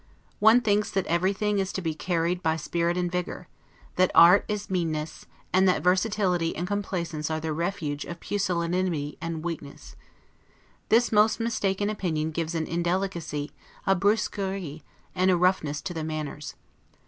One thinks that everything is to be carried by spirit and vigor; that art is meanness, and that versatility and complaisance are the refuge of pusilanimity and weakness. This most mistaken opinion gives an indelicacy, a 'brusquerie', and a roughness to the manners.